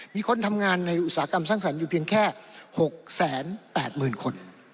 มีคนทำงานในอุตสาหกรรมสร้างสรรค์อยู่เพียงแค่๖๘๐๐๐คน